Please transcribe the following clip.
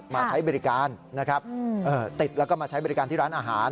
มาใช้บริการนะครับติดแล้วก็มาใช้บริการที่ร้านอาหาร